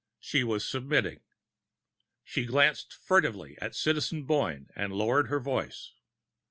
She was submitting. She glanced furtively at Citizen Boyne and lowered her voice.